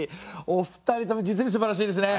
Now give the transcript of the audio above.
お二人とも実にすばらしいですね。